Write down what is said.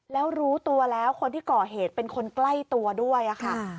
แล้วรู้ตัวแล้วคนที่ก่อเหตุเป็นคนใกล้ตัวด้วยค่ะ